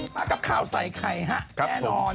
มากับข่าวใส่ไข่ฮะแน่นอน